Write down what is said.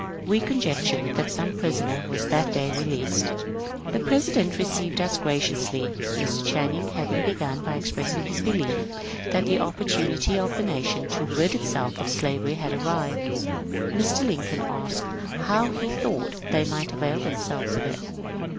We con jectured that some prisoner was that day released. The Presi dent received us graciously. Mr. Channing having begun by expressing his belief that the opportunity of the nation to rid itself of slavery had arrived, Mr. Lincoln asked how he thought they might avail themselves of it.